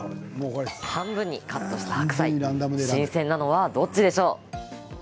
半分にカットした白菜新鮮なのは、どっちでしょう？